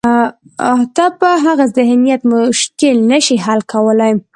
ته په هغه ذهنیت مشکل نه شې حل کولای.